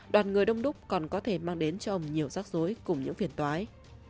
đoàn người đông đúc còn có thể mang đến cho ông nhiều rắc rối cùng những phiền toái